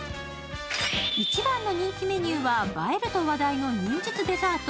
一番の人気メニューは映えると話題の、忍術デザート